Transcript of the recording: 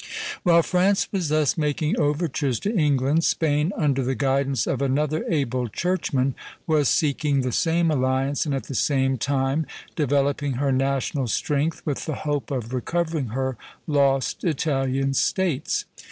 While France was thus making overtures to England, Spain, under the guidance of another able churchman, was seeking the same alliance and at the same time developing her national strength with the hope of recovering her lost Italian States.